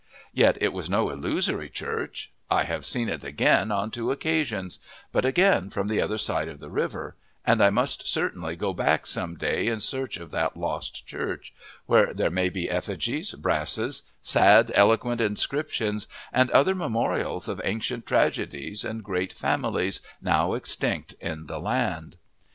Yet it was no illusory church; I have seen it again on two occasions, but again from the other side of the river, and I must certainly go back some day in search of that lost church, where there may be effigies, brasses, sad, eloquent inscriptions, and other memorials of ancient tragedies and great families now extinct in the land.